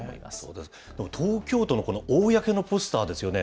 でも東京都の公のポスターですよね。